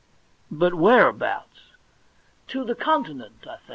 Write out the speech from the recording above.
* But whereabouts ?'* To the Continent, I think.'